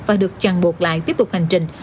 và được chằn buộc lại tiếp tục hành trình